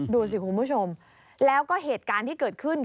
ดูสิคุณผู้ชมแล้วก็เหตุการณ์ที่เกิดขึ้น